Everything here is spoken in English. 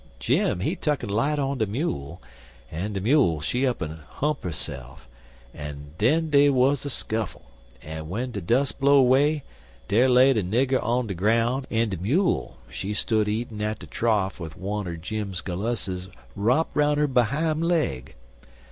Jim, he tuck'n light on de mule, an' de mule she up'n hump 'erse'f, an den dey wuz a skuffle, an' w'en de dus' blow 'way, dar lay de nigger on de groun', an' de mule she stood eatin' at de troff wid wunner Jim's gallusses wrop 'roun' her behime leg.